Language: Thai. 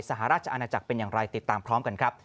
หราชอาณาจักรเป็นอย่างไรติดตามพร้อมกันครับ